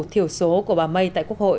thiểu số của bà may tại quốc hội